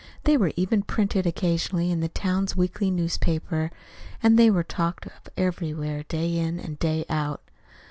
They were even printed occasionally in the town's weekly newspaper. And they were talked of everywhere, day in and day out.